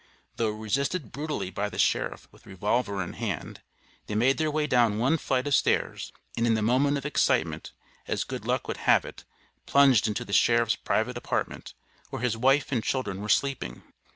Though resisted brutally by the sheriff with revolver in hand, they made their way down one flight of stairs, and in the moment of excitement, as good luck would have it, plunged into the sheriff's private apartment, where his wife and children were sleeping.